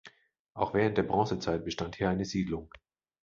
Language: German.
Auch während der Bronzezeit bestand hier eine Siedlung.